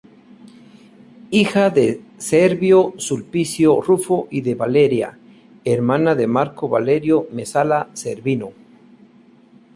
Hija de Servio Sulpicio Rufo y de Valeria, hermana de Marco Valerio Mesala Corvino.